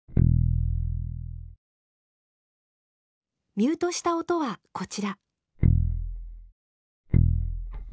ミュートした音はこちら。